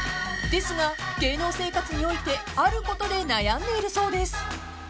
［ですが芸能生活においてあることで悩んでいるそうです］